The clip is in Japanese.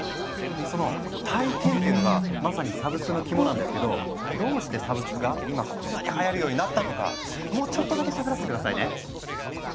その体験っていうのがまさにサブスクの肝なんですけどどうしてサブスクが今こんなにはやるようになったのかもうちょっとだけしゃべらせて下さいね。